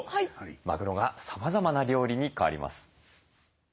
マグロがさまざまな料理に変わります。